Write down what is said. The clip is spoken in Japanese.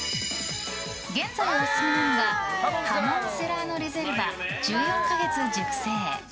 現在オススメなのがハモンセラーノレゼルヴァ１４か月熟成。